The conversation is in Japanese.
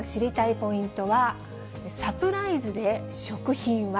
ポイントは、サプライズで食品は。